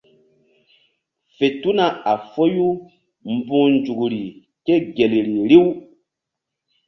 Fe tuna a foyu mbu̧h nzukri ke gel ri riw.